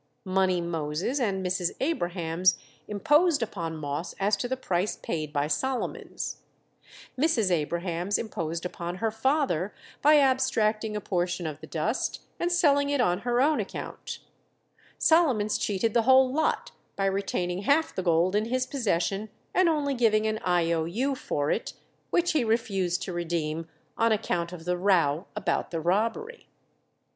"Money Moses" and Mrs. Abrahams imposed upon Moss as to the price paid by Solomons; Mrs. Abrahams imposed upon her father by abstracting a portion of the dust and selling it on her own account; Solomons cheated the whole lot by retaining half the gold in his possession, and only giving an I. O. U. for it, which he refused to redeem on account of the row about the robbery.